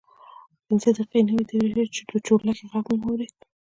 پنځه دقیقې نه وې تېرې شوې چې د چورلکې غږ مو واورېد.